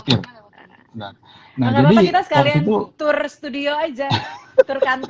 gak apa apa kita sekalian tour studio aja